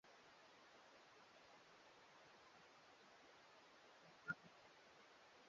kuongezeka kwa bei za bidhaa zinazouzika haraka